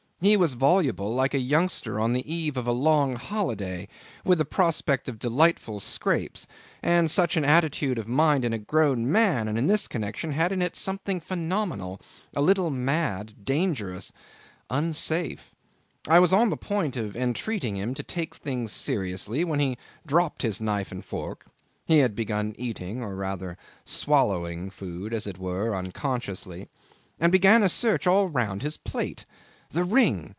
He was voluble like a youngster on the eve of a long holiday with a prospect of delightful scrapes, and such an attitude of mind in a grown man and in this connection had in it something phenomenal, a little mad, dangerous, unsafe. I was on the point of entreating him to take things seriously when he dropped his knife and fork (he had begun eating, or rather swallowing food, as it were, unconsciously), and began a search all round his plate. The ring!